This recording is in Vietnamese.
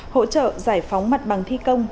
hỗ trợ giải phóng mặt bằng thi công